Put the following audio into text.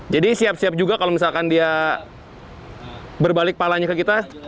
jadi siap siap juga kalau misalkan dia berbalik kepalanya ke kita